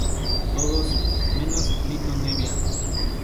Todos, menos Litto Nebbia.